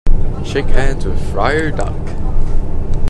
Shake hands with Friar "Duck"!